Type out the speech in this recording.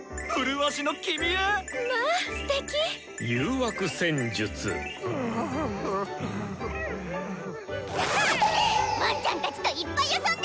わんちゃんたちといっぱい遊んだ！